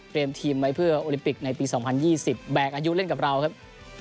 ทีมไว้เพื่อโอลิมปิกในปี๒๐๒๐แบกอายุเล่นกับเราครับ